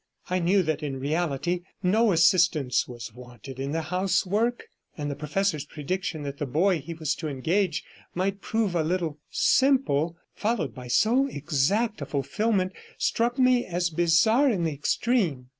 I knew that in reality no assistance was wanted in the housework, and the professor's prediction that the boy he was to engage might prove a little 'simple', followed by so exact a fulfilment, struck me as bizarre in the extreme.